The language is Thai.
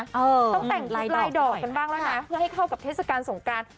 ต้องแต่งลายดอกกันบ้างแล้วนะเพื่อให้เข้ากับเทศกาลสงการ